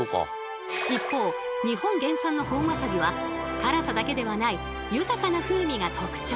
一方日本原産の本わさびは辛さだけではない豊かな風味が特徴。